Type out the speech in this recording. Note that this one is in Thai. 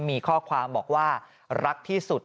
มีข้อความบอกว่ารักที่สุด